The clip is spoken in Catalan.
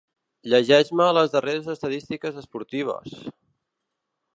Llegeix-me les darreres estadístiques esportives.